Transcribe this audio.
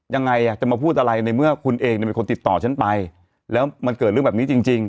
ยังไงอยากจะมาพูดอะไรในเมื่อคุณเองเนี่ยเป็นคนติดต่อฉันไปแล้วมันเกิดเรื่องแบบนี้จริงจริง